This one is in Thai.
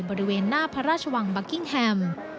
บริเวณหน้าพระราชวังบัคกิ้งแฮม